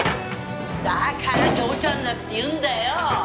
だから嬢ちゃんだって言うんだよ！